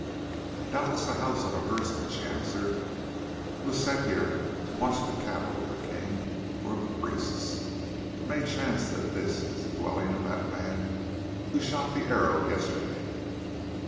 "Doubtless the house of a herdsman," she answered, "who is set here to watch the cattle of the king, or of the priests. It may chance that this is the dwelling of that man who shot the arrow yesterday."